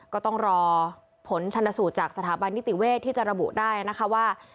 ก็ต้องรอผลชนสูตรจากสถาบันนิติเวทย์ที่จะระบุได้นะคะว่า